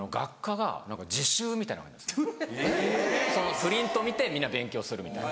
プリント見てみんな勉強するみたいな。